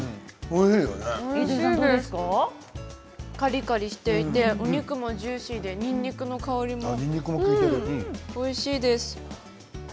おいしいですカリカリしていてお肉もジューシーでにんにくの香りもおいしいです。